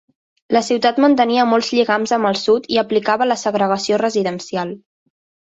La ciutat mantenia molts lligams amb el sud i aplicava la segregació residencial.